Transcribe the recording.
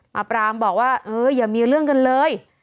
ปราปรามบอกว่าเอออย่ามีเรื่องกันเลย